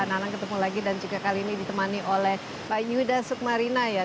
nanang ketemu lagi dan juga kali ini ditemani oleh pak yuda sukmarina ya